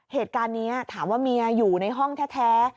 เหตุการณ์นี้ถามว่าเมียอยู่ในห้องแท้